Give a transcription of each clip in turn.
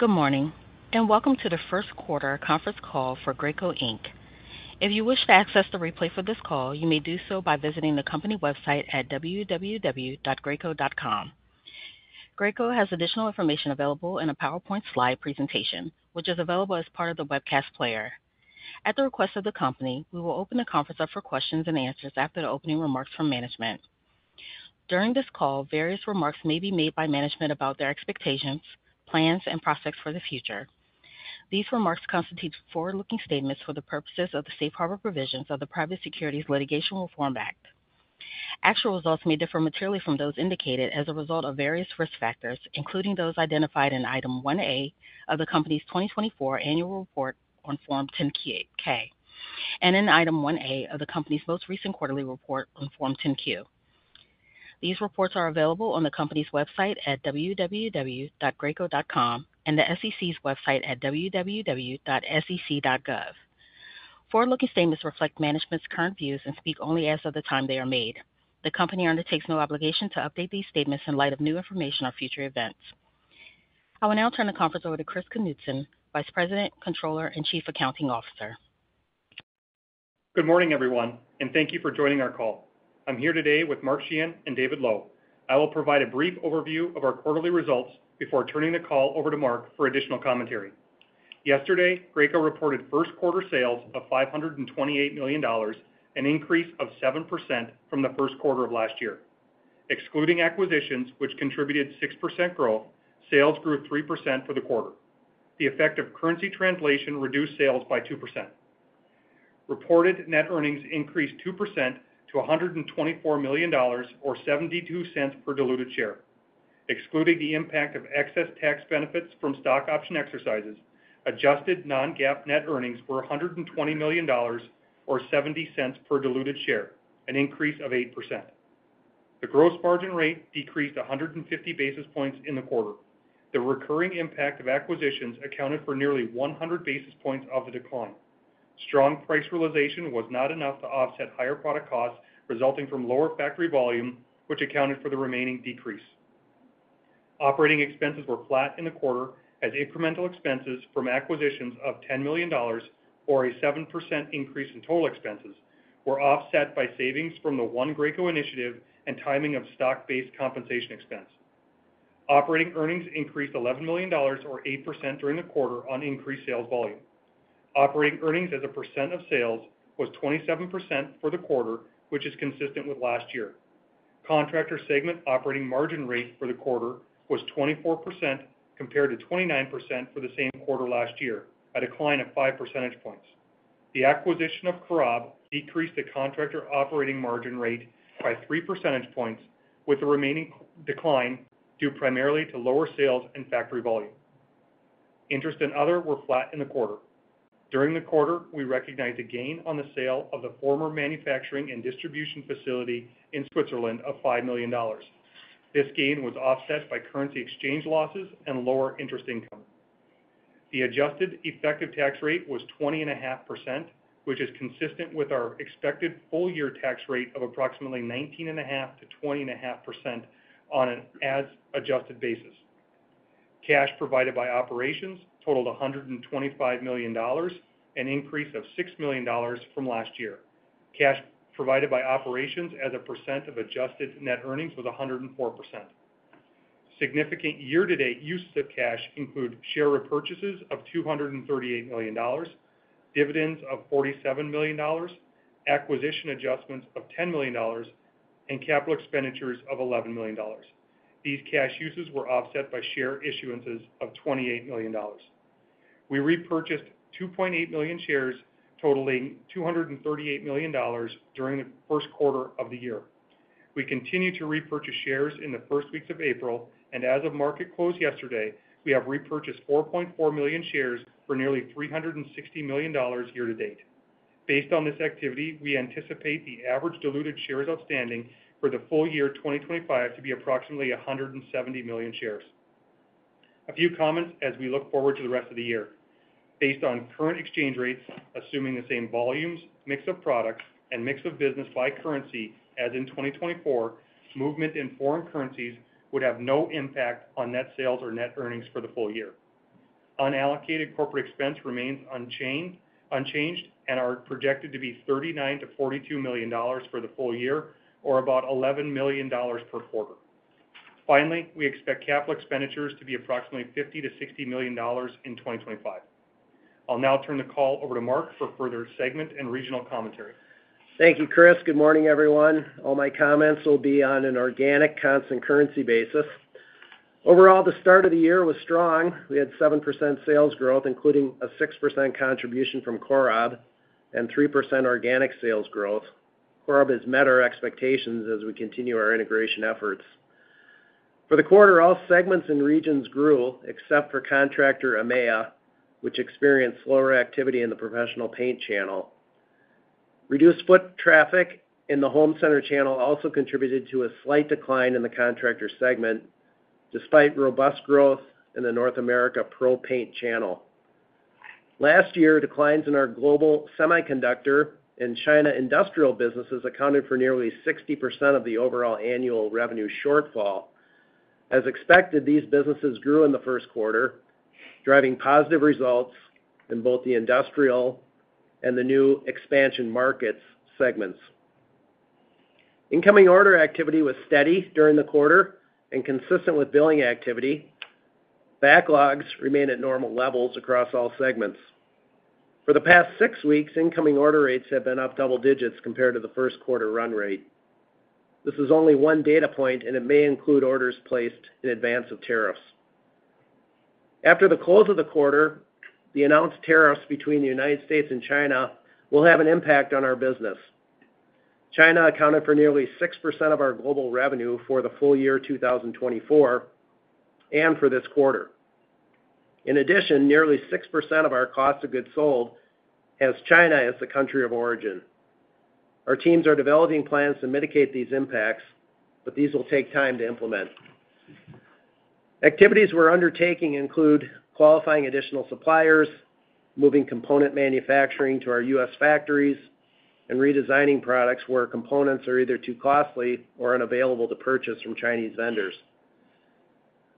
Good morning, and welcome to the first quarter conference call for Graco. If you wish to access the replay for this call, you may do so by visiting the company website at www.graco.com. Graco has additional information available in a PowerPoint slide presentation, which is available as part of the webcast player. At the request of the company, we will open the conference up for questions and answers after the opening remarks from management. During this call, various remarks may be made by management about their expectations, plans, and prospects for the future. These remarks constitute forward-looking statements for the purposes of the Safe Harbor Provisions of the Private Securities Litigation Reform Act. Actual results may differ materially from those indicated as a result of various risk factors, including those identified in item 1A of the company's 2024 annual report on Form 10-K, and in item 1A of the company's most recent quarterly report on Form 10-Q. These reports are available on the company's website at www.graco.com and the SEC's website at www.sec.gov. Forward-looking statements reflect management's current views and speak only as of the time they are made. The company undertakes no obligation to update these statements in light of new information or future events. I will now turn the conference over to Chris Knutson, Vice President, Controller, and Chief Accounting Officer. Good morning, everyone, and thank you for joining our call. I'm here today with Mark Sheahan and David Lowe. I will provide a brief overview of our quarterly results before turning the call over to Mark for additional commentary. Yesterday, Graco reported first quarter sales of $528 million, an increase of 7% from the first quarter of last year. Excluding acquisitions, which contributed 6% growth, sales grew 3% for the quarter. The effect of currency translation reduced sales by 2%. Reported net earnings increased 2% to $124 million, or 72 cents per diluted share. Excluding the impact of excess tax benefits from stock option exercises, adjusted non-GAAP net earnings were $120 million, or 70 cents per diluted share, an increase of 8%. The gross margin rate decreased 150 basis points in the quarter. The recurring impact of acquisitions accounted for nearly 100 basis points of the decline. Strong price realization was not enough to offset higher product costs resulting from lower factory volume, which accounted for the remaining decrease. Operating expenses were flat in the quarter, as incremental expenses from acquisitions of $10 million, or a 7% increase in total expenses, were offset by savings from the One Graco Initiative and timing of stock-based compensation expense. Operating earnings increased $11 million, or 8% during the quarter, on increased sales volume. Operating earnings as a percent of sales was 27% for the quarter, which is consistent with last year. Contractor segment operating margin rate for the quarter was 24% compared to 29% for the same quarter last year, a decline of 5 percentage points. The acquisition of Corob decreased the contractor operating margin rate by 3 percentage points, with the remaining decline due primarily to lower sales and factory volume. Interest and other were flat in the quarter. During the quarter, we recognized a gain on the sale of the former manufacturing and distribution facility in Switzerland of $5 million. This gain was offset by currency exchange losses and lower interest income. The adjusted effective tax rate was 20.5%, which is consistent with our expected full-year tax rate of approximately 19.5%-20.5% on an as-adjusted basis. Cash provided by operations totaled $125 million, an increase of $6 million from last year. Cash provided by operations as a percent of adjusted net earnings was 104%. Significant year-to-date uses of cash include share repurchases of $238 million, dividends of $47 million, acquisition adjustments of $10 million, and capital expenditures of $11 million. These cash uses were offset by share issuances of $28 million. We repurchased 2.8 million shares, totaling $238 million during the first quarter of the year. We continue to repurchase shares in the first weeks of April, and as of market close yesterday, we have repurchased 4.4 million shares for nearly $360 million year-to-date. Based on this activity, we anticipate the average diluted shares outstanding for the full year 2025 to be approximately 170 million shares. A few comments as we look forward to the rest of the year. Based on current exchange rates, assuming the same volumes, mix of products, and mix of business by currency as in 2024, movement in foreign currencies would have no impact on net sales or net earnings for the full year. Unallocated corporate expense remains unchanged and are projected to be $39-$42 million for the full year, or about $11 million per quarter. Finally, we expect capital expenditures to be approximately $50-$60 million in 2025. I'll now turn the call over to Mark for further segment and regional commentary. Thank you, Chris. Good morning, everyone. All my comments will be on an organic constant currency basis. Overall, the start of the year was strong. We had 7% sales growth, including a 6% contribution from Corob and 3% organic sales growth. Corob has met our expectations as we continue our integration efforts. For the quarter, all segments and regions grew, except for contractor, which experienced slower activity in the professional paint channel. Reduced foot traffic in the home center channel also contributed to a slight decline in the contractor segment, despite robust growth in the North America pro paint channel. Last year, declines in our global semiconductor and China industrial businesses accounted for nearly 60% of the overall annual revenue shortfall. As expected, these businesses grew in the first quarter, driving positive results in both the industrial and the new expansion markets segments. Incoming order activity was steady during the quarter and consistent with billing activity. Backlogs remain at normal levels across all segments. For the past six weeks, incoming order rates have been up double digits compared to the first quarter run rate. This is only one data point, and it may include orders placed in advance of tariffs. After the close of the quarter, the announced tariffs between the U.S. and China will have an impact on our business. China accounted for nearly 6% of our global revenue for the full year 2024 and for this quarter. In addition, nearly 6% of our cost of goods sold has China as the country of origin. Our teams are developing plans to mitigate these impacts, but these will take time to implement. Activities we are undertaking include qualifying additional suppliers, moving component manufacturing to our U.S. factories, and redesigning products where components are either too costly or unavailable to purchase from Chinese vendors.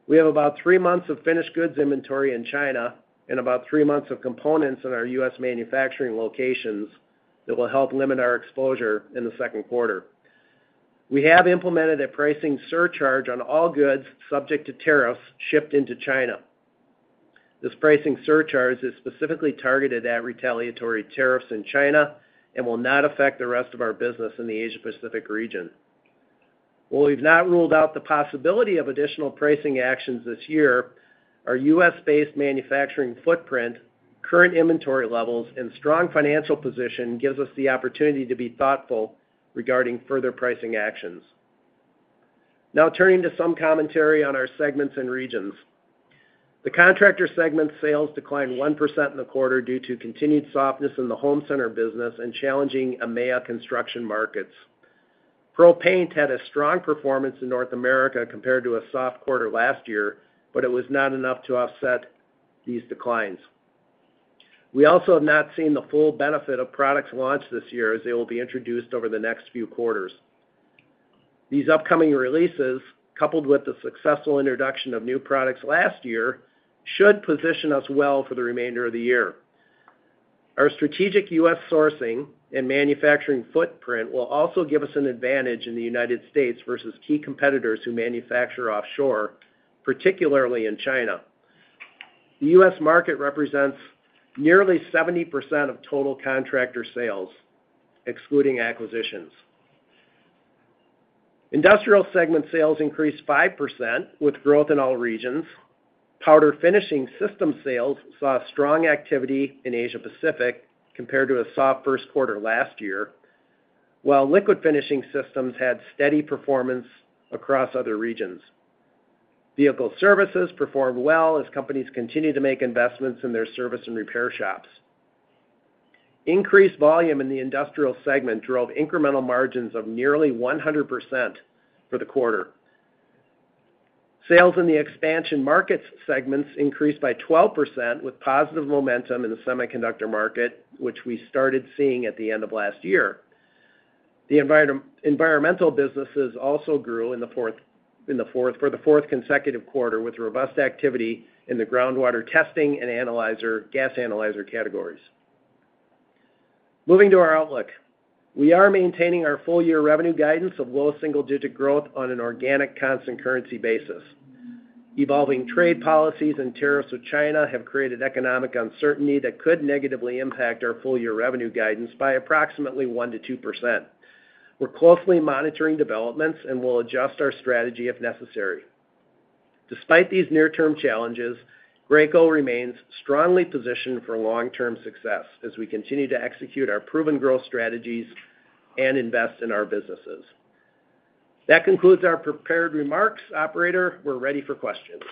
We have about three months of finished goods inventory in China and about three months of components in our U.S. manufacturing locations that will help limit our exposure in the second quarter. We have implemented a pricing surcharge on all goods subject to tariffs shipped into China. This pricing surcharge is specifically targeted at retaliatory tariffs in China and will not affect the rest of our business in the Asia-Pacific region. While we've not ruled out the possibility of additional pricing actions this year, our U.S.-based manufacturing footprint, current inventory levels, and strong financial position give us the opportunity to be thoughtful regarding further pricing actions. Now turning to some commentary on our segments and regions. The contractor segment sales declined 1% in the quarter due to continued softness in the home center business and challenging EMEA construction markets. Pro paint had a strong performance in North America compared to a soft quarter last year, but it was not enough to offset these declines. We also have not seen the full benefit of products launched this year, as they will be introduced over the next few quarters. These upcoming releases, coupled with the successful introduction of new products last year, should position us well for the remainder of the year. Our strategic U.S. sourcing and manufacturing footprint will also give us an advantage in the United States versus key competitors who manufacture offshore, particularly in China. The U.S. market represents nearly 70% of total contractor sales, excluding acquisitions. Industrial segment sales increased 5% with growth in all regions. Powder finishing system sales saw strong activity in Asia-Pacific compared to a soft first quarter last year, while liquid finishing systems had steady performance across other regions. Vehicle services performed well as companies continued to make investments in their service and repair shops. Increased volume in the industrial segment drove incremental margins of nearly 100% for the quarter. Sales in the expansion markets segments increased by 12% with positive momentum in the semiconductor market, which we started seeing at the end of last year. The environmental businesses also grew for the fourth consecutive quarter with robust activity in the groundwater testing and analyzer, gas analyzer categories. Moving to our outlook, we are maintaining our full-year revenue guidance of low single-digit growth on an organic constant currency basis. Evolving trade policies and tariffs with China have created economic uncertainty that could negatively impact our full-year revenue guidance by approximately 1-2%. We're closely monitoring developments and will adjust our strategy if necessary. Despite these near-term challenges, Graco remains strongly positioned for long-term success as we continue to execute our proven growth strategies and invest in our businesses. That concludes our prepared remarks. Operator, we're ready for questions.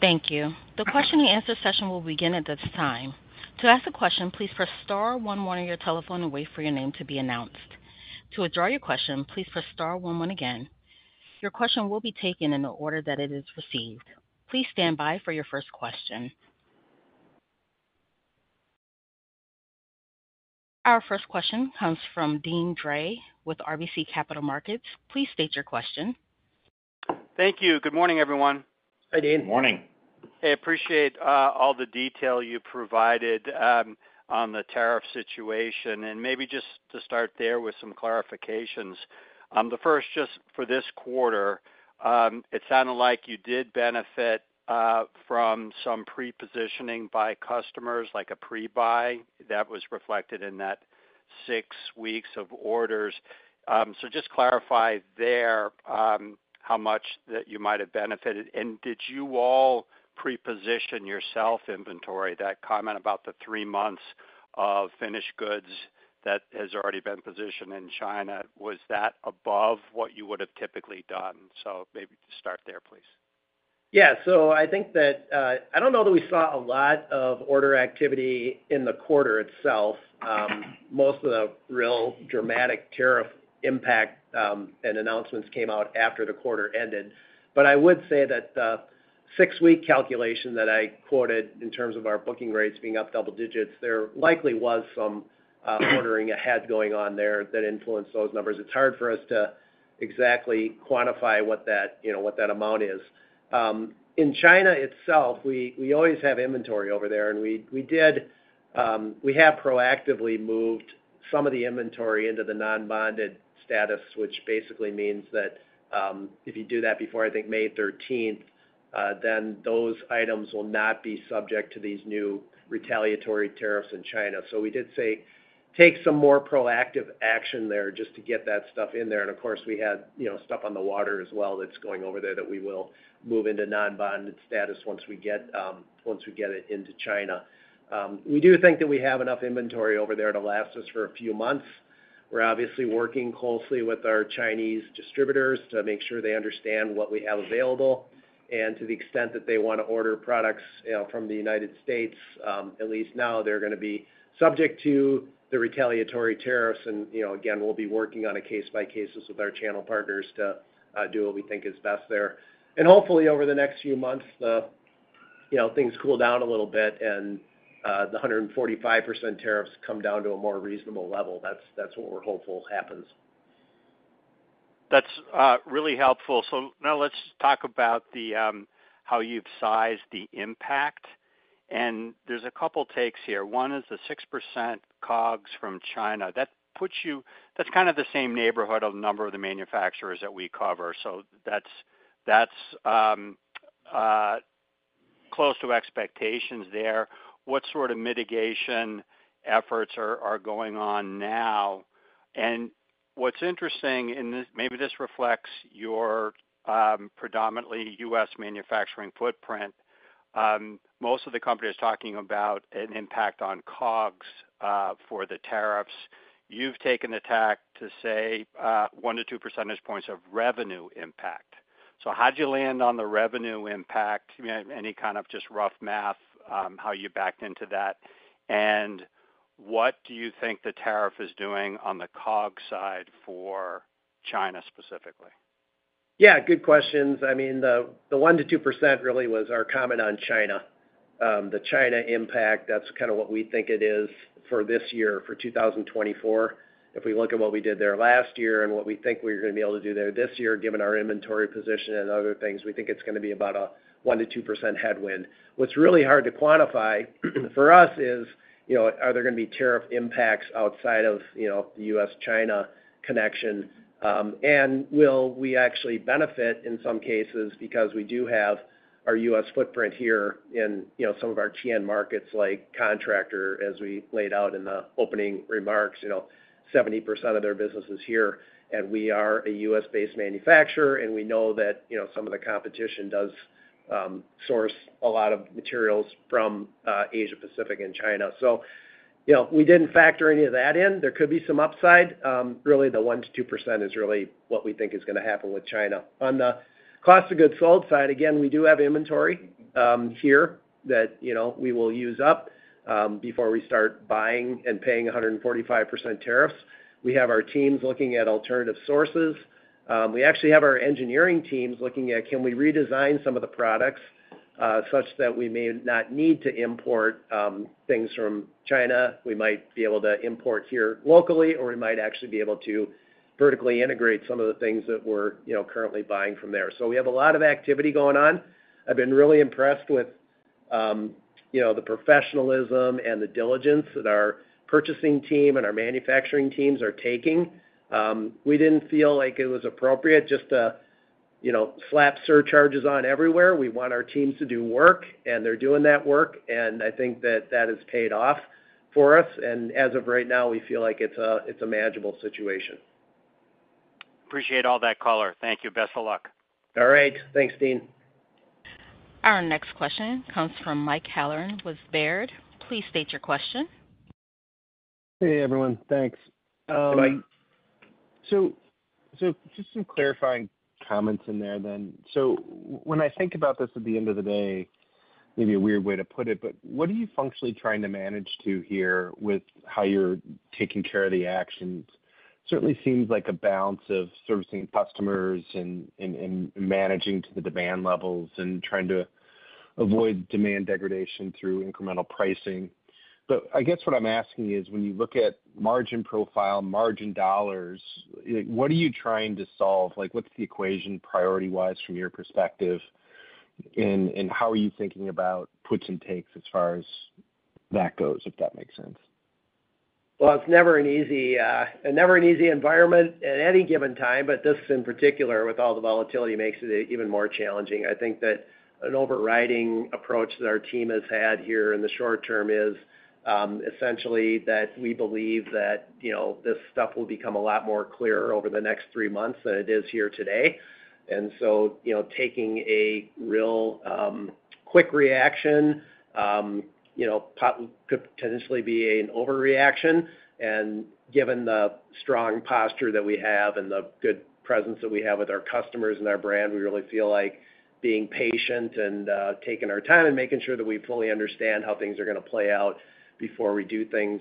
Thank you. The question and answer session will begin at this time. To ask a question, please press star 11 on your telephone and wait for your name to be announced. To withdraw your question, please press star 11 again. Your question will be taken in the order that it is received. Please stand by for your first question. Our first question comes from Deane Dray with RBC Capital Markets. Please state your question. Thank you. Good morning, everyone. Hi, Deane. Morning. I appreciate all the detail you provided on the tariff situation. Maybe just to start there with some clarifications, the first, just for this quarter, it sounded like you did benefit from some pre-positioning by customers, like a pre-buy that was reflected in that six weeks of orders. Just clarify there how much that you might have benefited. Did you all pre-position yourself inventory, that comment about the three months of finished goods that has already been positioned in China, was that above what you would have typically done? Maybe to start there, please. Yeah. I think that I do not know that we saw a lot of order activity in the quarter itself. Most of the real dramatic tariff impact and announcements came out after the quarter ended. I would say that the six-week calculation that I quoted in terms of our booking rates being up double digits, there likely was some ordering ahead going on there that influenced those numbers. It's hard for us to exactly quantify what that amount is. In China itself, we always have inventory over there. We did, we have proactively moved some of the inventory into the non-bonded status, which basically means that if you do that before, I think, May 13th, then those items will not be subject to these new retaliatory tariffs in China. We did take some more proactive action there just to get that stuff in there. Of course, we had stuff on the water as well that's going over there that we will move into non-bonded status once we get it into China. We do think that we have enough inventory over there to last us for a few months. We are obviously working closely with our Chinese distributors to make sure they understand what we have available. To the extent that they want to order products from the United States, at least now they are going to be subject to the retaliatory tariffs. We will be working on a case-by-case with our channel partners to do what we think is best there. Hopefully, over the next few months, things cool down a little bit and the 145% tariffs come down to a more reasonable level. That is what we are hopeful happens. That's really helpful. Now let's talk about how you've sized the impact. There's a couple of takes here. One is the 6% COGS from China. That's kind of the same neighborhood of the number of the manufacturers that we cover. That's close to expectations there. What sort of mitigation efforts are going on now? What's interesting, and maybe this reflects your predominantly U.S. manufacturing footprint, most of the company is talking about an impact on COGS for the tariffs. You've taken the tack to say one to two percentage points of revenue impact. How did you land on the revenue impact? Any kind of just rough math, how you backed into that? What do you think the tariff is doing on the COGS side for China specifically? Yeah, good questions. I mean, the 1-2% really was our comment on China. The China impact, that's kind of what we think it is for this year, for 2024. If we look at what we did there last year and what we think we're going to be able to do there this year, given our inventory position and other things, we think it's going to be about a 1-2% headwind. What's really hard to quantify for us is, are there going to be tariff impacts outside of the U.S.-China connection? And will we actually benefit in some cases because we do have our U.S. footprint here in some of our end markets like contractor, as we laid out in the opening remarks, 70% of their business is here. We are a U.S.-based manufacturer, and we know that some of the competition does source a lot of materials from Asia-Pacific and China. We did not factor any of that in. There could be some upside. Really, the 1%-2% is really what we think is going to happen with China. On the cost of goods sold side, again, we do have inventory here that we will use up before we start buying and paying 145% tariffs. We have our teams looking at alternative sources. We actually have our engineering teams looking at, can we redesign some of the products such that we may not need to import things from China? We might be able to import here locally, or we might actually be able to vertically integrate some of the things that we are currently buying from there. We have a lot of activity going on. I've been really impressed with the professionalism and the diligence that our purchasing team and our manufacturing teams are taking. We didn't feel like it was appropriate just to slap surcharges on everywhere. We want our teams to do work, and they're doing that work. I think that that has paid off for us. As of right now, we feel like it's a manageable situation. Appreciate all that, caller. Thank you. Best of luck. All right. Thanks, Deane. Our next question comes from Mike Halloran with Baird. Please state your question. Hey, everyone. Thanks. Just some clarifying comments in there then. When I think about this at the end of the day, maybe a weird way to put it, but what are you functionally trying to manage to here with how you're taking care of the actions? Certainly seems like a balance of servicing customers and managing to the demand levels and trying to avoid demand degradation through incremental pricing. I guess what I'm asking is, when you look at margin profile, margin dollars, what are you trying to solve? What's the equation priority-wise from your perspective? How are you thinking about puts and takes as far as that goes, if that makes sense? It is never an easy environment at any given time, but this in particular, with all the volatility, makes it even more challenging. I think that an overriding approach that our team has had here in the short term is essentially that we believe that this stuff will become a lot more clear over the next three months than it is here today. Taking a real quick reaction could potentially be an overreaction. Given the strong posture that we have and the good presence that we have with our customers and our brand, we really feel like being patient and taking our time and making sure that we fully understand how things are going to play out before we do things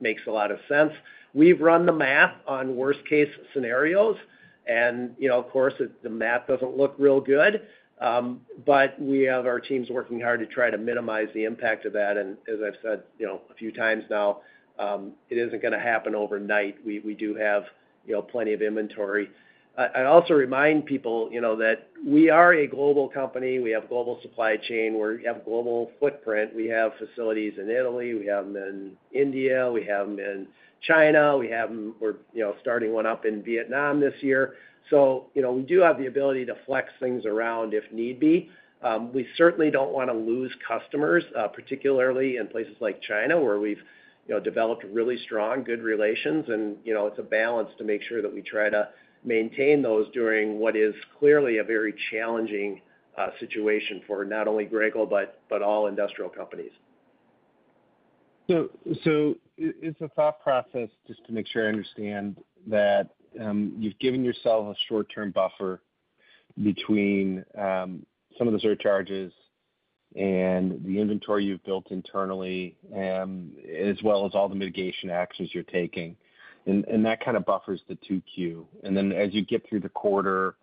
makes a lot of sense. We have run the math on worst-case scenarios. Of course, the math doesn't look real good, but we have our teams working hard to try to minimize the impact of that. As I've said a few times now, it isn't going to happen overnight. We do have plenty of inventory. I also remind people that we are a global company. We have a global supply chain. We have a global footprint. We have facilities in Italy. We have them in India. We have them in China. We're starting one up in Vietnam this year. We do have the ability to flex things around if need be. We certainly don't want to lose customers, particularly in places like China where we've developed really strong, good relations. It's a balance to make sure that we try to maintain those during what is clearly a very challenging situation for not only Graco but all industrial companies. It is a thought process just to make sure I understand that you've given yourself a short-term buffer between some of the surcharges and the inventory you've built internally, as well as all the mitigation actions you're taking. That kind of buffers the two-queue. As you get through the quarter,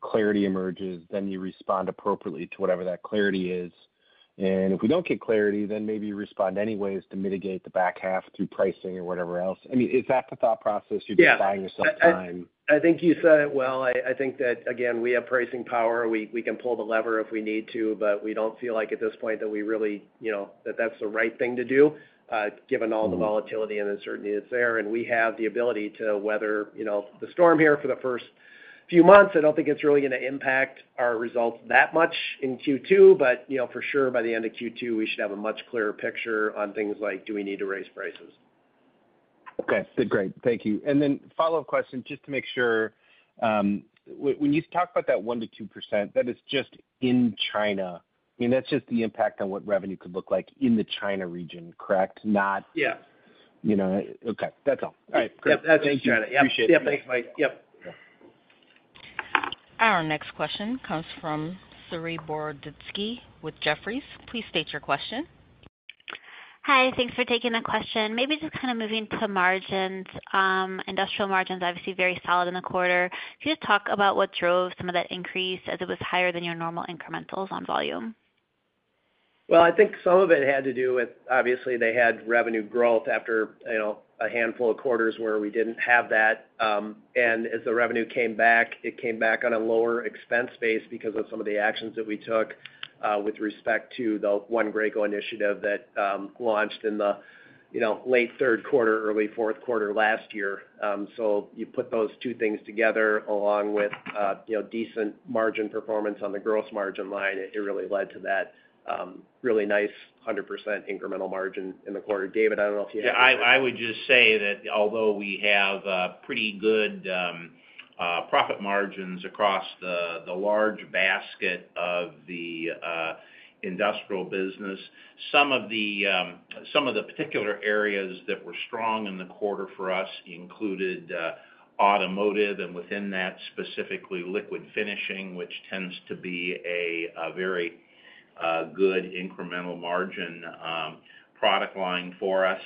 clarity emerges, then you respond appropriately to whatever that clarity is. If we do not get clarity, then maybe you respond anyways to mitigate the back half through pricing or whatever else. I mean, is that the thought process, you've been buying yourself time? Yeah. I think you said it well. I think that, again, we have pricing power. We can pull the lever if we need to, but we do not feel like at this point that we really that that is the right thing to do, given all the volatility and uncertainty that is there. We have the ability to weather the storm here for the first few months. I do not think it is really going to impact our results that much in Q2, but for sure, by the end of Q2, we should have a much clearer picture on things like, do we need to raise prices? Okay. Great. Thank you. And then follow-up question, just to make sure, when you talk about that 1-2%, that is just in China. I mean, that's just the impact on what revenue could look like in the China region, correct? Not. Yeah. Okay. That's all. All right. Great. Yep. That's in China. Yeah. Thanks, Mike. Yep. Our next question comes from Saree Boroditsky with Jefferies. Please state your question. Hi. Thanks for taking the question. Maybe just kind of moving to margins. Industrial margins obviously very solid in the quarter. Can you talk about what drove some of that increase as it was higher than your normal incrementals on volume? I think some of it had to do with, obviously, they had revenue growth after a handful of quarters where we did not have that. As the revenue came back, it came back on a lower expense base because of some of the actions that we took with respect to the One Graco initiative that launched in the late third quarter, early fourth quarter last year. You put those two things together along with decent margin performance on the gross margin line, it really led to that really nice 100% incremental margin in the quarter. David, I do not know if you had. Yeah. I would just say that although we have pretty good profit margins across the large basket of the industrial business, some of the particular areas that were strong in the quarter for us included automotive and within that specifically liquid finishing, which tends to be a very good incremental margin product line for us.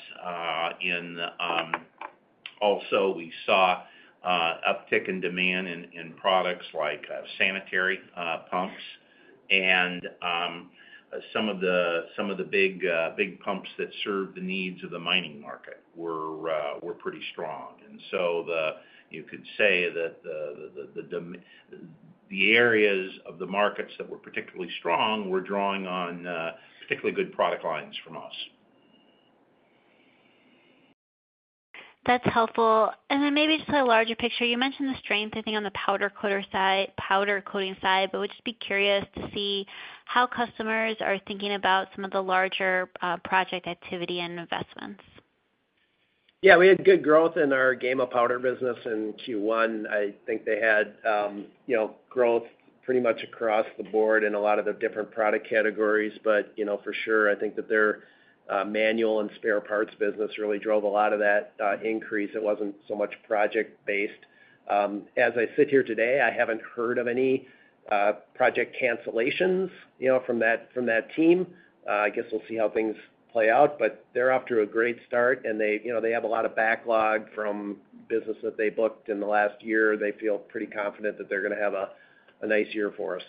Also, we saw uptick in demand in products like sanitary pumps. Some of the big pumps that serve the needs of the mining market were pretty strong. You could say that the areas of the markets that were particularly strong were drawing on particularly good product lines from us. That's helpful. Maybe just a larger picture. You mentioned the strength, I think, on the powder coating side, but would just be curious to see how customers are thinking about some of the larger project activity and investments. Yeah. We had good growth in our Gema powder business in Q1. I think they had growth pretty much across the board in a lot of the different product categories. For sure, I think that their manual and spare parts business really drove a lot of that increase. It was not so much project-based. As I sit here today, I have not heard of any project cancellations from that team. I guess we will see how things play out. They are off to a great start, and they have a lot of backlog from business that they booked in the last year. They feel pretty confident that they are going to have a nice year for us.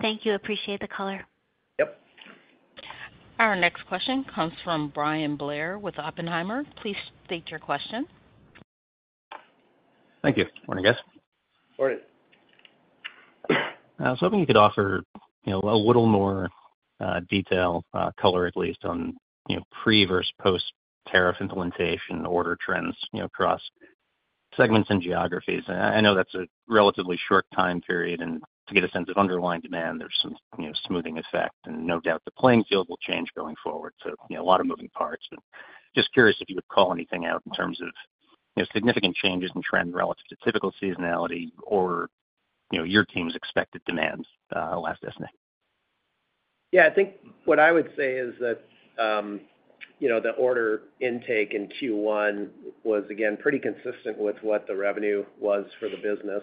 Thank you. Appreciate the color. Yep. Our next question comes from Bryan Blair with Oppenheimer. Please state your question. Thank you. Morning, guys. Morning. I was hoping you could offer a little more detail, color at least, on pre-versus-post tariff implementation order trends across segments and geographies. I know that's a relatively short time period. To get a sense of underlying demand, there's some smoothing effect. No doubt the playing field will change going forward. A lot of moving parts. Just curious if you would call anything out in terms of significant changes in trend relative to typical seasonality or your team's expected demand last December. Yeah. I think what I would say is that the order intake in Q1 was, again, pretty consistent with what the revenue was for the business.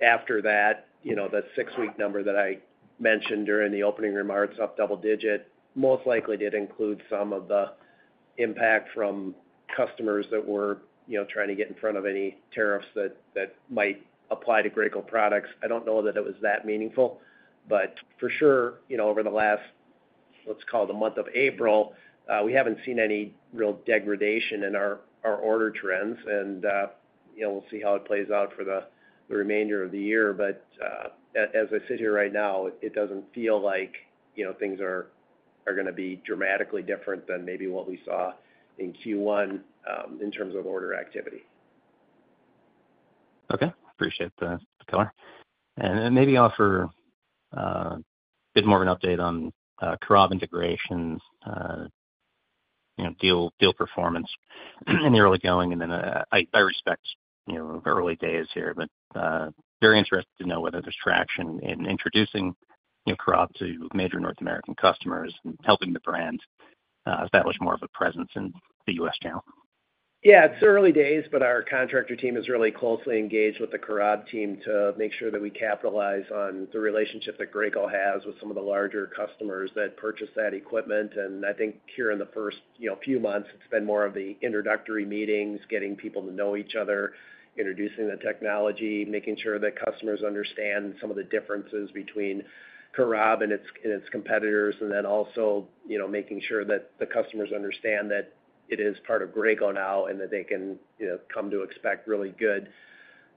After that, the six-week number that I mentioned during the opening remarks up double-digit most likely did include some of the impact from customers that were trying to get in front of any tariffs that might apply to Graco products. I don't know that it was that meaningful, but for sure, over the last, let's call it the month of April, we haven't seen any real degradation in our order trends. We will see how it plays out for the remainder of the year. As I sit here right now, it doesn't feel like things are going to be dramatically different than maybe what we saw in Q1 in terms of order activity. Okay. Appreciate the color. Maybe offer a bit more of an update on Corob integrations, deal performance in the early going. I respect early days here, but very interested to know whether there's traction in introducing Corob to major North American customers and helping the brand establish more of a presence in the U.S. channel. Yeah. It's early days, but our contractor team is really closely engaged with the Corob team to make sure that we capitalize on the relationship that Graco has with some of the larger customers that purchase that equipment. I think here in the first few months, it's been more of the introductory meetings, getting people to know each other, introducing the technology, making sure that customers understand some of the differences between Corob and its competitors, and then also making sure that the customers understand that it is part of Graco now and that they can come to expect really good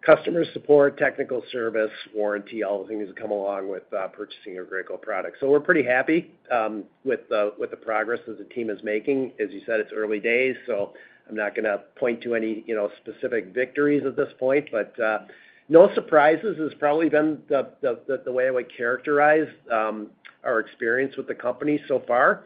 customer support, technical service, warranty, all the things that come along with purchasing a Graco product. We're pretty happy with the progress that the team is making. As you said, it's early days. I'm not going to point to any specific victories at this point, but no surprises has probably been the way I would characterize our experience with the company so far.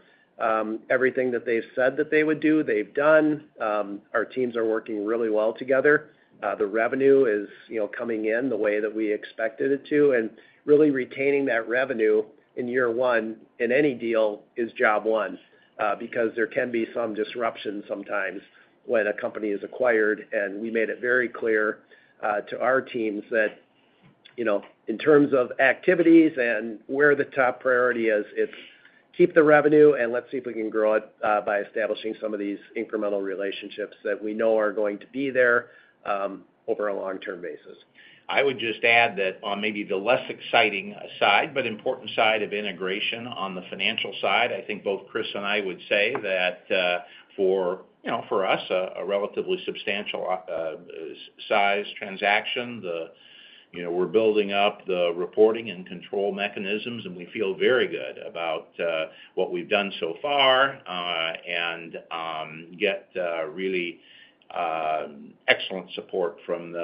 Everything that they've said that they would do, they've done. Our teams are working really well together. The revenue is coming in the way that we expected it to. Really retaining that revenue in year one in any deal is job one because there can be some disruption sometimes when a company is acquired. We made it very clear to our teams that in terms of activities and where the top priority is, it's keep the revenue and let's see if we can grow it by establishing some of these incremental relationships that we know are going to be there over a long-term basis. I would just add that on maybe the less exciting side, but important side of integration on the financial side, I think both Chris and I would say that for us, a relatively substantial size transaction, we're building up the reporting and control mechanisms, and we feel very good about what we've done so far and get really excellent support from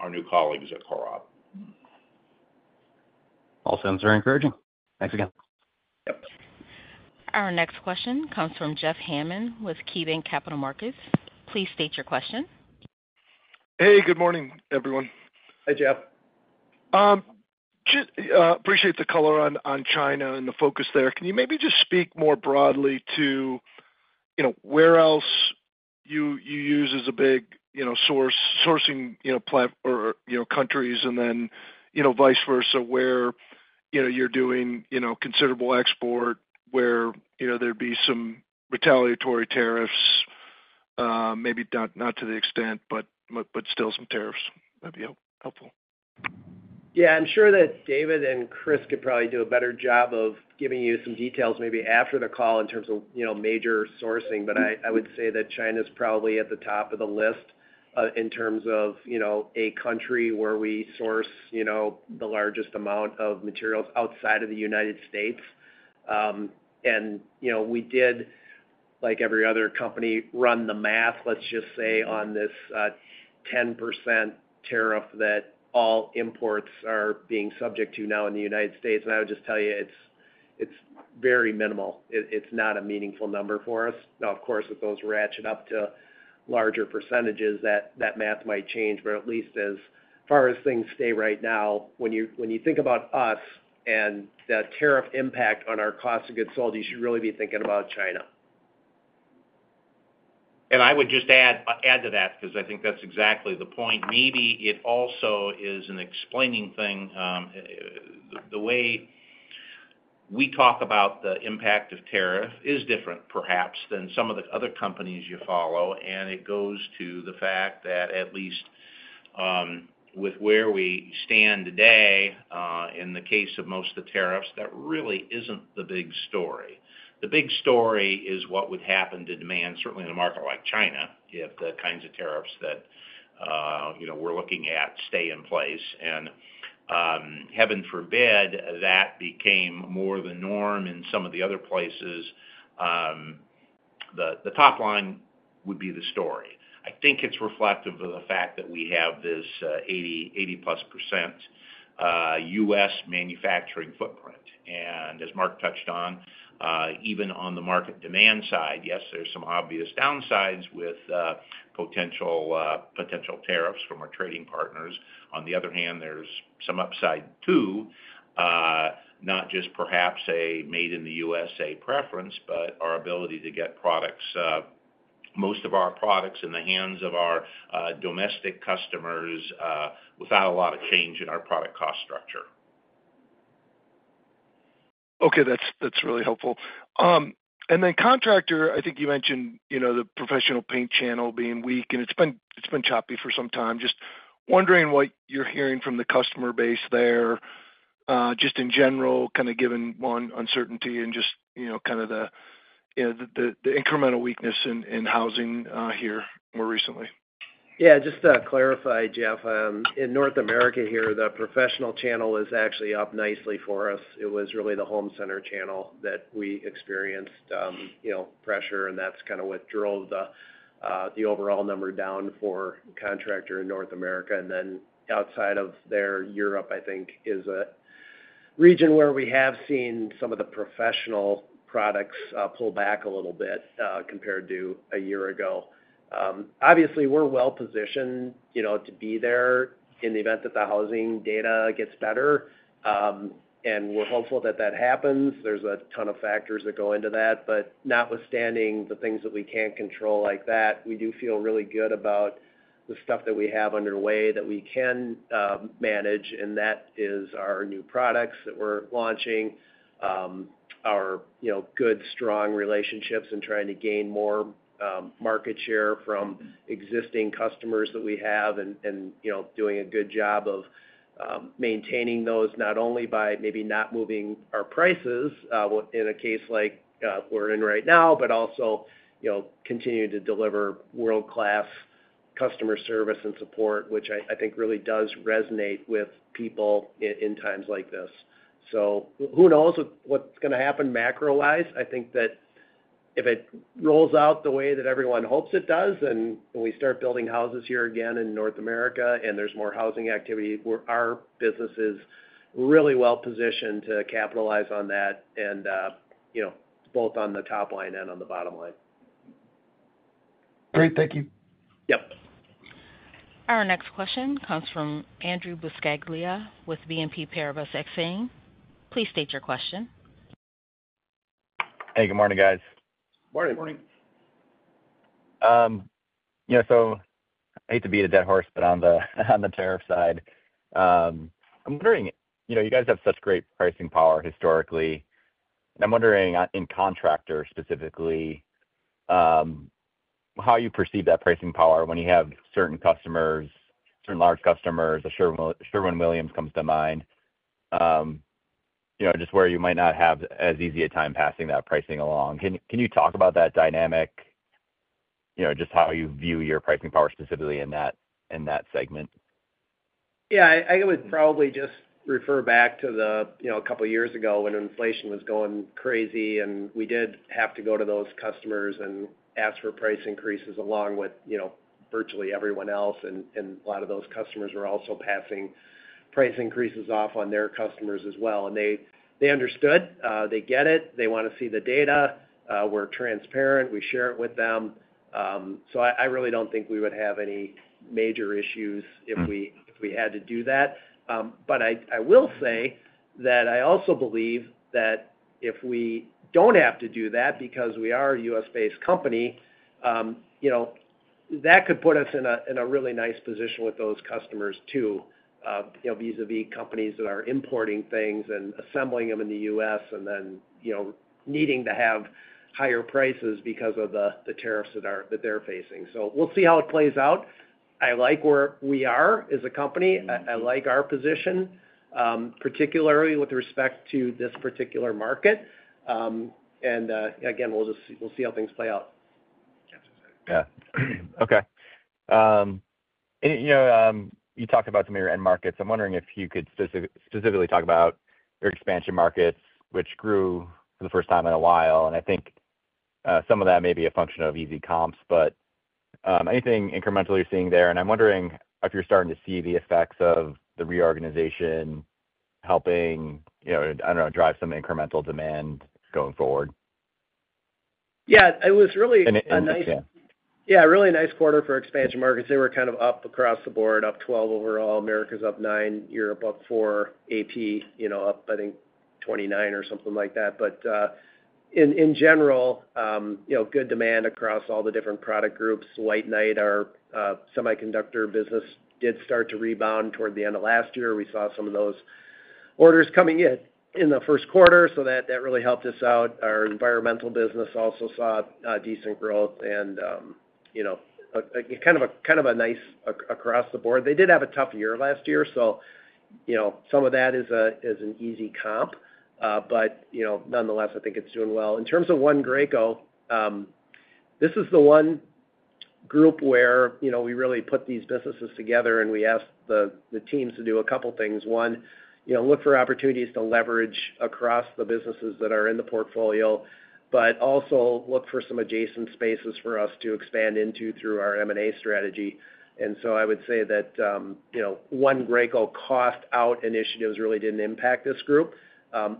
our new colleagues at Corob. All sounds very encouraging. Thanks again. Yep. Our next question comes from Jeff Hammond with KeyBanc Capital Markets. Please state your question. Hey, good morning, everyone. Hey, Jeff. Appreciate the color on China and the focus there. Can you maybe just speak more broadly to where else you use as a big sourcing platform or countries and then vice versa where you're doing considerable export, where there'd be some retaliatory tariffs, maybe not to the extent, but still some tariffs? That'd be helpful. Yeah. I'm sure that David and Chris could probably do a better job of giving you some details maybe after the call in terms of major sourcing, but I would say that China is probably at the top of the list in terms of a country where we source the largest amount of materials outside of the United States. I would just say that, like every other company, we ran the math, let's just say, on this 10% tariff that all imports are being subject to now in the United States. I would just tell you it's very minimal. It's not a meaningful number for us. Of course, if those ratchet up to larger percentages, that math might change. At least as far as things stay right now, when you think about us and the tariff impact on our cost of goods sold, you should really be thinking about China. I would just add to that because I think that's exactly the point. Maybe it also is an explaining thing. The way we talk about the impact of tariff is different perhaps than some of the other companies you follow. It goes to the fact that at least with where we stand today in the case of most of the tariffs, that really isn't the big story. The big story is what would happen to demand, certainly in a market like China, if the kinds of tariffs that we're looking at stay in place. Heaven forbid that became more the norm in some of the other places, the top line would be the story. I think it's reflective of the fact that we have this 80-plus % U.S. manufacturing footprint. As Mark touched on, even on the market demand side, yes, there are some obvious downsides with potential tariffs from our trading partners. On the other hand, there is some upside too, not just perhaps a made-in-the-U.S. preference, but our ability to get most of our products in the hands of our domestic customers without a lot of change in our product cost structure. Okay. That's really helpful. Contractor, I think you mentioned the professional paint channel being weak, and it's been choppy for some time. Just wondering what you're hearing from the customer base there, just in general, kind of given one uncertainty and just kind of the incremental weakness in housing here more recently. Yeah. Just to clarify, Jeff, in North America here, the professional channel is actually up nicely for us. It was really the home center channel that we experienced pressure, and that's kind of what drove the overall number down for contractor in North America. Outside of there, Europe, I think, is a region where we have seen some of the professional products pull back a little bit compared to a year ago. Obviously, we're well-positioned to be there in the event that the housing data gets better, and we're hopeful that that happens. There's a ton of factors that go into that. Notwithstanding the things that we can't control like that, we do feel really good about the stuff that we have underway that we can manage. That is our new products that we're launching, our good, strong relationships and trying to gain more market share from existing customers that we have and doing a good job of maintaining those not only by maybe not moving our prices in a case like we're in right now, but also continuing to deliver world-class customer service and support, which I think really does resonate with people in times like this. Who knows what's going to happen macro-wise? I think that if it rolls out the way that everyone hopes it does and we start building houses here again in North America and there's more housing activity, our business is really well-positioned to capitalize on that both on the top line and on the bottom line. Great. Thank you. Yep. Our next question comes from Andrew Buscaglia with BNP Paribas Exane. Please state your question. Hey, good morning, guys. Morning. Morning. I hate to beat a dead horse, but on the tariff side, I'm wondering, you guys have such great pricing power historically. I'm wondering in contractor specifically how you perceive that pricing power when you have certain customers, certain large customers. Sherwin-Williams comes to mind, just where you might not have as easy a time passing that pricing along. Can you talk about that dynamic, just how you view your pricing power specifically in that segment? Yeah. I would probably just refer back to a couple of years ago when inflation was going crazy, and we did have to go to those customers and ask for price increases along with virtually everyone else. A lot of those customers were also passing price increases off on their customers as well. They understood. They get it. They want to see the data. We are transparent. We share it with them. I really do not think we would have any major issues if we had to do that. I will say that I also believe that if we do not have to do that because we are a U.S.-based company, that could put us in a really nice position with those customers too, vis-à-vis companies that are importing things and assembling them in the U.S. and then needing to have higher prices because of the tariffs that they're facing. We'll see how it plays out. I like where we are as a company. I like our position, particularly with respect to this particular market. Again, we'll see how things play out. Yeah. Okay. You talked about some of your end markets. I'm wondering if you could specifically talk about your expansion markets, which grew for the first time in a while. I think some of that may be a function of EV comps, but anything incremental you're seeing there? I'm wondering if you're starting to see the effects of the reorganization helping, I don't know, drive some incremental demand going forward. Yeah. It was really a nice quarter for expansion markets. They were kind of up across the board, up 12 overall. America's up 9. Europe up 4. AP up, I think, 29 or something like that. In general, good demand across all the different product groups. White Knight, our semiconductor business, did start to rebound toward the end of last year. We saw some of those orders coming in the first quarter, so that really helped us out. Our environmental business also saw decent growth and kind of a nice across the board. They did have a tough year last year, so some of that is an easy comp. Nonetheless, I think it's doing well. In terms of One Graco, this is the one group where we really put these businesses together, and we asked the teams to do a couple of things. One, look for opportunities to leverage across the businesses that are in the portfolio, but also look for some adjacent spaces for us to expand into through our M&A strategy. I would say that One Graco cost-out initiatives really did not impact this group.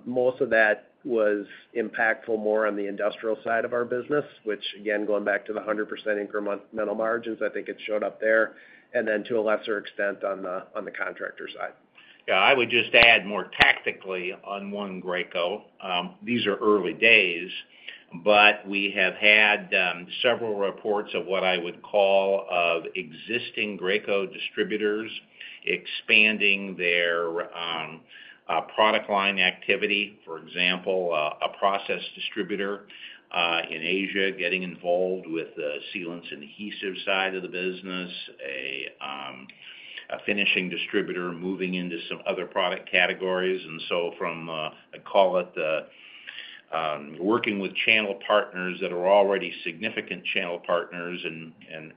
Most of that was impactful more on the industrial side of our business, which, again, going back to the 100% incremental margins, I think it showed up there. To a lesser extent on the contractor side. Yeah. I would just add more tactically on One Graco. These are early days, but we have had several reports of what I would call existing Graco distributors expanding their product line activity. For example, a process distributor in Asia getting involved with the sealants and adhesives side of the business, a finishing distributor moving into some other product categories. From, I call it, working with channel partners that are already significant channel partners and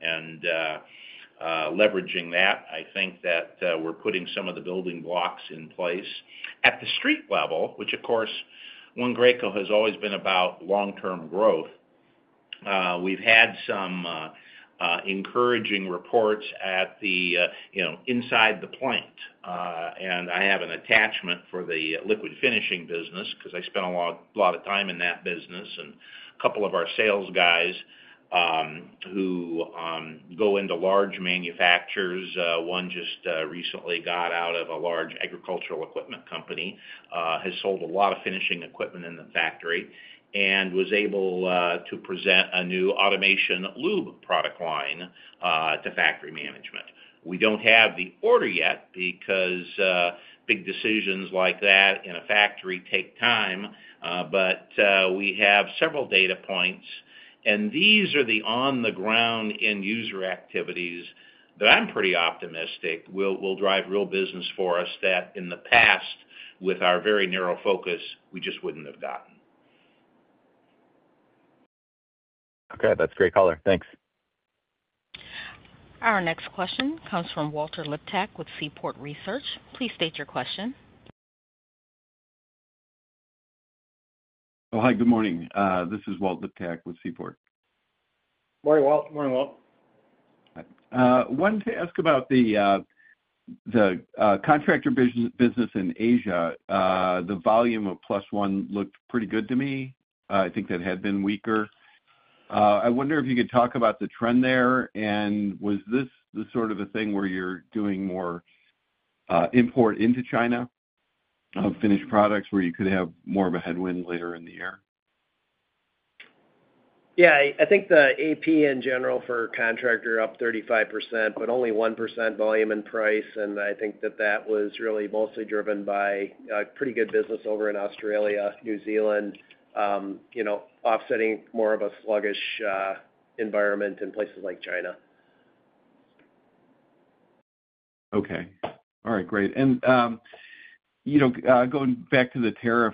leveraging that, I think that we are putting some of the building blocks in place. At the street level, which of course, One Graco has always been about long-term growth, we have had some encouraging reports inside the plant. I have an attachment for the liquid finishing business because I spent a lot of time in that business and a couple of our sales guys who go into large manufacturers. One just recently got out of a large agricultural equipment company, has sold a lot of finishing equipment in the factory, and was able to present a new automation lube product line to factory management. We do not have the order yet because big decisions like that in a factory take time, but we have several data points. These are the on-the-ground end-user activities that I am pretty optimistic will drive real business for us that in the past, with our very narrow focus, we just would not have gotten. Okay. That's great color. Thanks. Our next question comes from Walter Liptak with Seaport Research. Please state your question. Hi. Good morning. This is Walter Liptak with Seaport. Morning, Walt. Morning, Walt. I wanted to ask about the contractor business in Asia. The volume of plus one looked pretty good to me. I think that had been weaker. I wonder if you could talk about the trend there. Was this the sort of a thing where you're doing more import into China of finished products where you could have more of a headwind later in the year? Yeah. I think the AP in general for contractor up 35%, but only 1% volume and price. I think that that was really mostly driven by pretty good business over in Australia, New Zealand, offsetting more of a sluggish environment in places like China. Okay. All right. Great. Going back to the tariff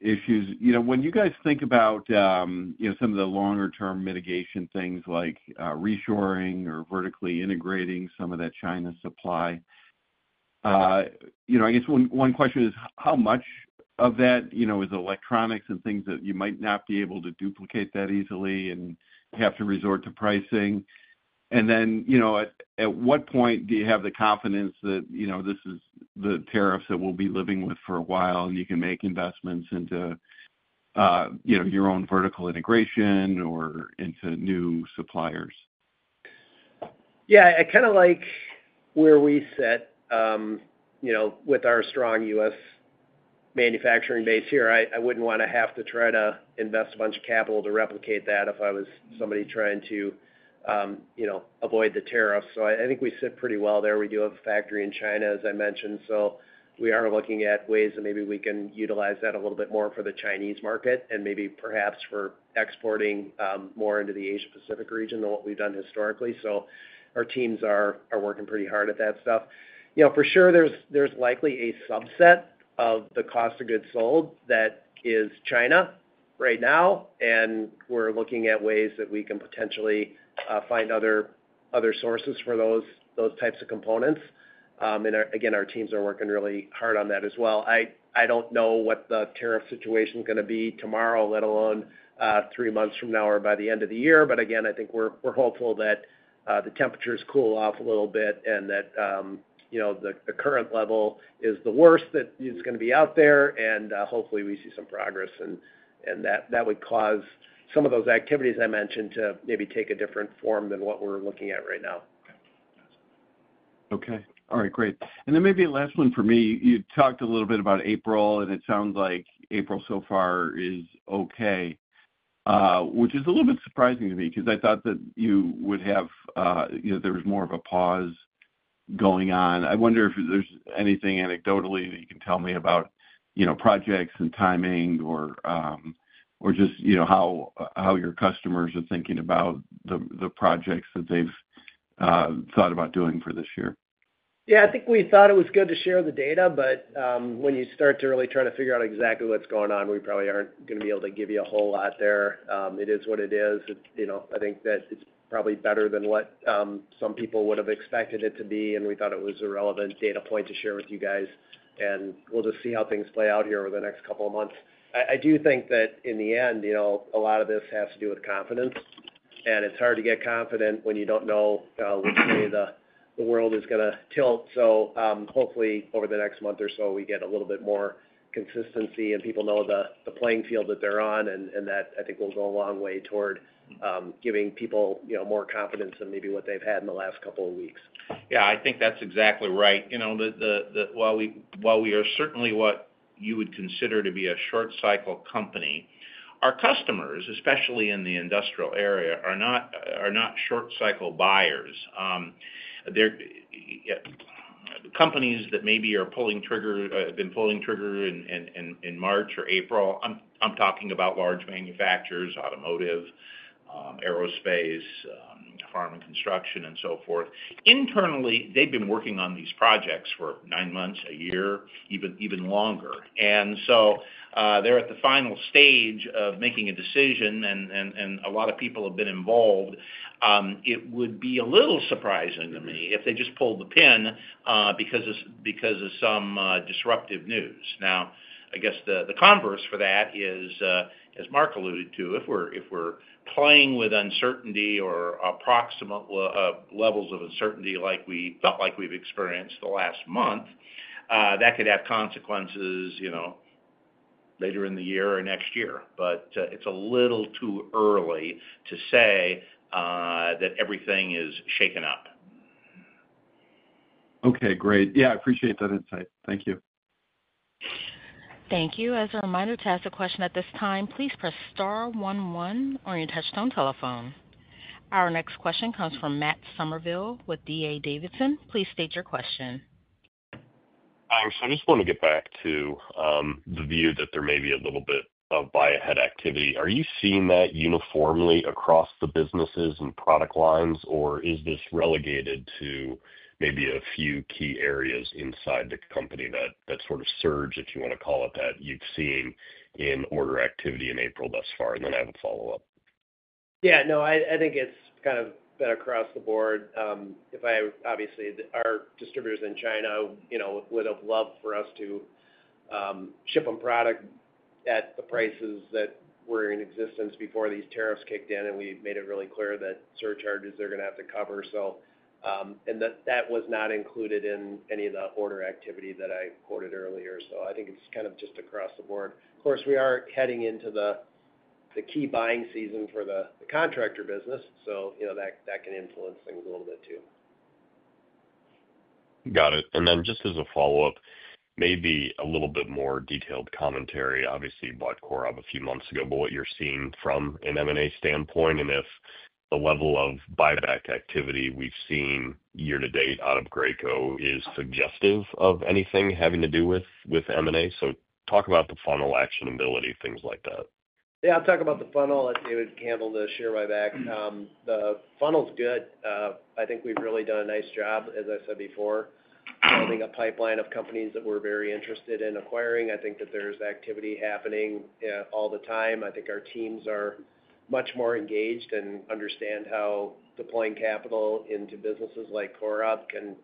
issues, when you guys think about some of the longer-term mitigation things like reshoring or vertically integrating some of that China supply, I guess one question is how much of that is electronics and things that you might not be able to duplicate that easily and have to resort to pricing? At what point do you have the confidence that this is the tariffs that we'll be living with for a while and you can make investments into your own vertical integration or into new suppliers? Yeah. I kind of like where we sit with our strong U.S. manufacturing base here. I wouldn't want to have to try to invest a bunch of capital to replicate that if I was somebody trying to avoid the tariffs. I think we sit pretty well there. We do have a factory in China, as I mentioned. We are looking at ways that maybe we can utilize that a little bit more for the Chinese market and maybe perhaps for exporting more into the Asia-Pacific region than what we've done historically. Our teams are working pretty hard at that stuff. For sure, there's likely a subset of the cost of goods sold that is China right now. We are looking at ways that we can potentially find other sources for those types of components. Again, our teams are working really hard on that as well. I don't know what the tariff situation is going to be tomorrow, let alone three months from now or by the end of the year. I think we're hopeful that the temperatures cool off a little bit and that the current level is the worst that is going to be out there. Hopefully, we see some progress. That would cause some of those activities I mentioned to maybe take a different form than what we're looking at right now. Okay. All right. Great. Maybe last one for me. You talked a little bit about April, and it sounds like April so far is okay, which is a little bit surprising to me because I thought that you would have, there was more of a pause going on. I wonder if there's anything anecdotally that you can tell me about projects and timing or just how your customers are thinking about the projects that they've thought about doing for this year. Yeah. I think we thought it was good to share the data, but when you start to really try to figure out exactly what's going on, we probably aren't going to be able to give you a whole lot there. It is what it is. I think that it's probably better than what some people would have expected it to be. We thought it was a relevant data point to share with you guys. We'll just see how things play out here over the next couple of months. I do think that in the end, a lot of this has to do with confidence. It's hard to get confident when you don't know which way the world is going to tilt. Hopefully, over the next month or so, we get a little bit more consistency and people know the playing field that they're on. I think that will go a long way toward giving people more confidence than maybe what they've had in the last couple of weeks. Yeah. I think that's exactly right. While we are certainly what you would consider to be a short-cycle company, our customers, especially in the industrial area, are not short-cycle buyers. Companies that maybe have been pulling trigger in March or April, I'm talking about large manufacturers, automotive, aerospace, farm and construction, and so forth. Internally, they've been working on these projects for nine months, a year, even longer. They are at the final stage of making a decision. A lot of people have been involved. It would be a little surprising to me if they just pulled the pin because of some disruptive news. I guess the converse for that is, as Mark alluded to, if we are playing with uncertainty or approximate levels of uncertainty like we felt like we've experienced the last month, that could have consequences later in the year or next year. It is a little too early to say that everything is shaken up. Okay. Great. Yeah. I appreciate that insight. Thank you. Thank you. As a reminder to ask a question at this time, please press star 11 on your touchstone telephone. Our next question comes from Matt Summerville with D.A. Davidson. Please state your question. Thanks. I just want to get back to the view that there may be a little bit of buy-ahead activity. Are you seeing that uniformly across the businesses and product lines, or is this relegated to maybe a few key areas inside the company that sort of surge, if you want to call it that, you've seen in order activity in April thus far? I have a follow-up. Yeah. No, I think it's kind of been across the board. Obviously, our distributors in China would have loved for us to ship them product at the prices that were in existence before these tariffs kicked in, and we made it really clear that surcharges they're going to have to cover. That was not included in any of the order activity that I quoted earlier. I think it's kind of just across the board. Of course, we are heading into the key buying season for the contractor business, so that can influence things a little bit too. Got it. Just as a follow-up, maybe a little bit more detailed commentary, obviously, bought Corob a few months ago, but what you're seeing from an M&A standpoint and if the level of buyback activity we've seen year to date out of Graco is suggestive of anything having to do with M&A. Talk about the funnel actionability, things like that. Yeah. I'll talk about the funnel. I think we've handled the share buyback. The funnel's good. I think we've really done a nice job, as I said before, building a pipeline of companies that we're very interested in acquiring. I think that there's activity happening all the time. I think our teams are much more engaged and understand how deploying capital into businesses like Corob can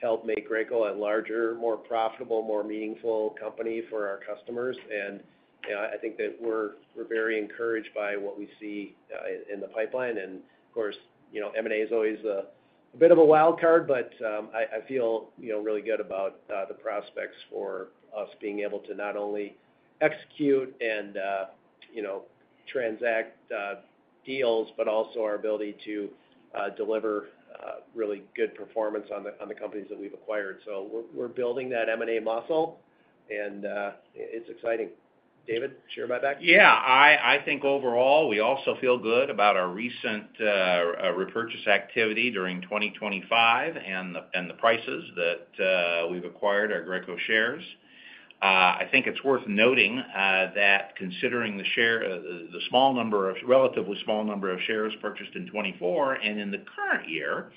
help make Graco a larger, more profitable, more meaningful company for our customers. I think that we're very encouraged by what we see in the pipeline. Of course, M&A is always a bit of a wild card, but I feel really good about the prospects for us being able to not only execute and transact deals, but also our ability to deliver really good performance on the companies that we've acquired. We're building that M&A muscle, and it's exciting. David, share buyback. Yeah. I think overall, we also feel good about our recent repurchase activity during 2025 and the prices that we've acquired our Graco shares. I think it's worth noting that considering the small number of relatively small number of shares purchased in 2024 and in the current year,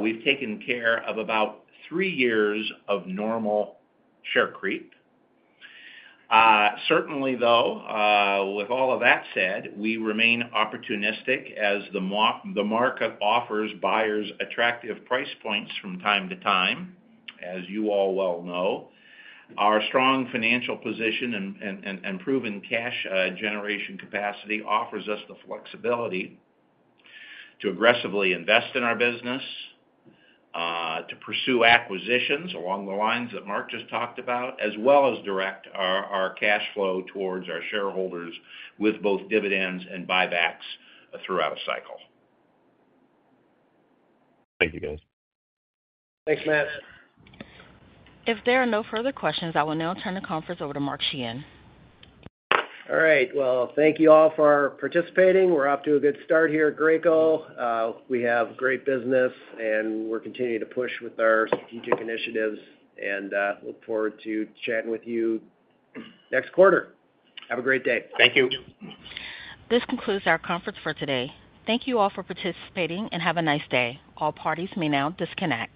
we've taken care of about three years of normal share creep. Certainly, though, with all of that said, we remain opportunistic as the market offers buyers attractive price points from time to time. As you all well know, our strong financial position and proven cash generation capacity offers us the flexibility to aggressively invest in our business, to pursue acquisitions along the lines that Mark just talked about, as well as direct our cash flow towards our shareholders with both dividends and buybacks throughout a cycle. Thank you, guys. Thanks, Matt. If there are no further questions, I will now turn the conference over to Mark Sheahan. All right. Thank you all for participating. We are off to a good start here at Graco. We have great business, and we are continuing to push with our strategic initiatives and look forward to chatting with you next quarter. Have a great day. Thank you. This concludes our conference for today. Thank you all for participating and have a nice day. All parties may now disconnect.